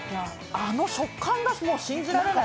あの食感がもう信じられない。